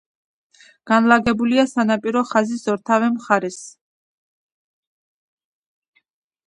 განლაგებულია სანაპირო ხაზის ორთავე მხარეს.